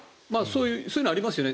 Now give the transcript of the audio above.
そういうのはありますよね。